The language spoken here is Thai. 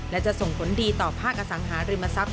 และจะส่งผลดีต่อภาคอสังหาริมทรัพย